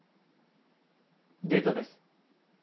データです。